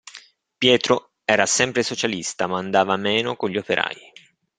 Pietro era sempre socialista, ma andava meno con gli operai.